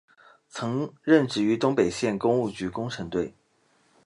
曾任职于台北县工务局工程队。